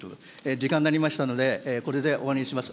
時間になりましたので、これで終わりにします。